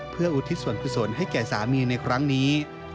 เพื่ออุทิศส่วนกุศลให้แก่สามีในครั้งนี้